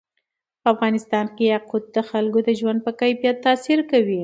په افغانستان کې یاقوت د خلکو د ژوند په کیفیت تاثیر کوي.